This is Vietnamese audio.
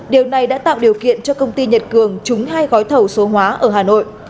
điều này đã tạo điều kiện cho công ty nhật cường trúng hai gói thầu số hóa ở hà nội